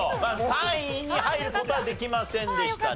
３位に入る事はできませんでしたね。